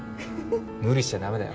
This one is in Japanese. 無理しちゃダメだよ